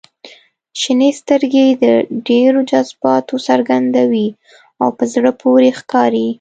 • شنې سترګې د ډېر جذباتو څرګندوي او په زړه پورې ښکاري.